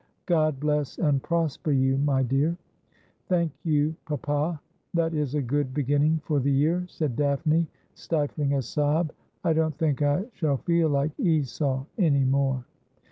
' God bless and prosper you, my dear.' ' Thank you, papa. That is a good beginning for the year,' said Daphne, stifling a sob. ' I don't think I shall feel like Esau any more.'